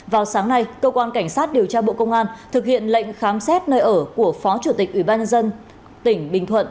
vào sáng nay cơ quan cảnh sát điều tra bộ công an thực hiện lệnh khám xét nơi ở của phó chủ tịch ubnd tỉnh bình thuận